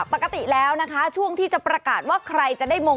ปกติแล้วนะคะช่วงที่จะประกาศว่าใครจะได้มง